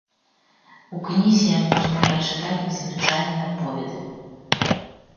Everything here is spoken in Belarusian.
У кнізе можна прачытаць незвычайныя аповеды.